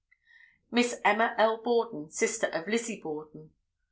Miss Emma L. Borden, sister of Lizzie Borden.